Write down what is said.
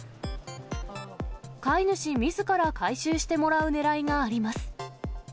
飼い主みずから回収してもらうねらいがあります。